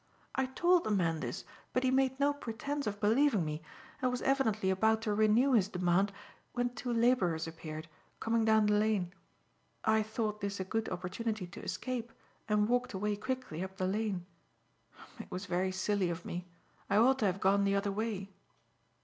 I told the man this, but he made no pretence of believing me, and was evidently about to renew his demand, when two labourers appeared, coming down the lane. I thought this a good opportunity to escape, and walked away quickly up the lane; it was very silly of me; I ought to have gone the other way."